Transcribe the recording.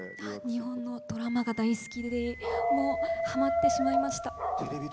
日本のドラマが大好きではまってしまいました。